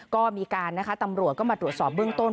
ก็มีการนะคะตำรวจก็มาตรวจสอบเบื้องต้น